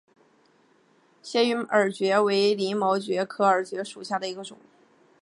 斜羽耳蕨为鳞毛蕨科耳蕨属下的一个种。